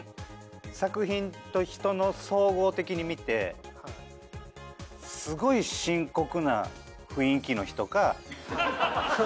作品と人の総合的に見てすごい深刻な雰囲気の人か。